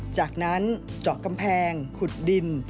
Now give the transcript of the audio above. จากนั้นเจาะกำแพงขุดดิน